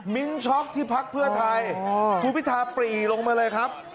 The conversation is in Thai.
ช็อกที่พักเพื่อไทยคุณพิธาปรีลงมาเลยครับ